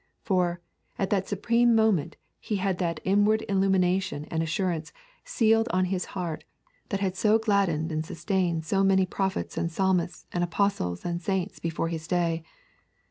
For, at that supreme moment he had that inward illumination and assurance sealed on his heart that had so gladdened and sustained so many prophets and psalmists and apostles and saints before his day.